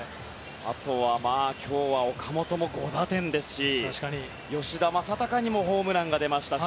あとは今日は岡本も５打点ですし吉田正尚にもホームランが出ましたし。